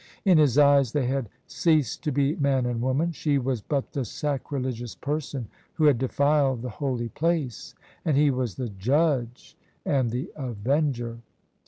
In his eyes they had ceased to be man and woman; she was but the sacrilegious person who had defiled the Holy Place, and he was the judge and the avenger.